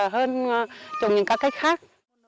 hơn trồng những các cách khác